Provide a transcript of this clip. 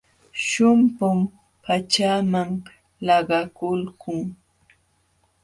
Shumpum pachaaman laqakulqun.